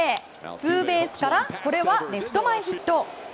ツーベースからこれはレフト前ヒット。